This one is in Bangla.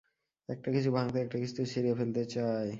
একটা কিছু ভাঙতে, একটা কিছু ছিঁড়ে ফেলতে চায়।